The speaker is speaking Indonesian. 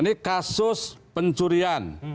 ini kasus pencurian